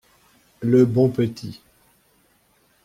Le bon petit!